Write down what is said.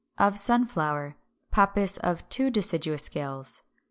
Of Sunflower (pappus of two deciduous scales).